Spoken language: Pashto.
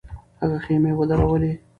هغه خېمې ودرولې.